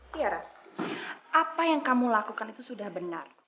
tiara apa yang kamu lakukan itu sudah benar